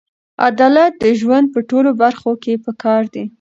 عدالت د ژوند په ټولو برخو کې پکار دی.